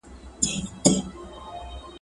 د يوناني ژبې کلمې په ډېرو نورو ژبو کې کارول کېږي.